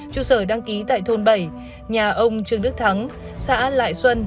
trụ sở đăng ký tại thôn bảy nhà ông trương đức thắng xã lại xuân